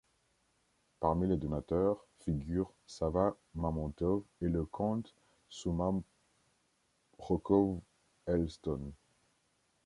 Parmi les donateurs figurent Savva Mamontov et le comte Soumarokov-Elston.